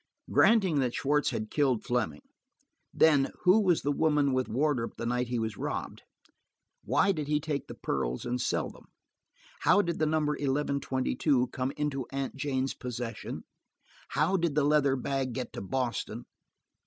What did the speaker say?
Granting that Schwartz had killed Fleming–then who was the woman with Wardrop the night he was robbed? Why did he take the pearls and sell them? How did the number eleven twenty two come into Aunt Jane's possession? How did the leather bag get to Boston?